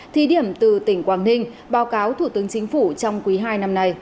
thí điểm từ tỉnh quảng ninh báo cáo thủ tướng chính phủ trong quý hai năm nay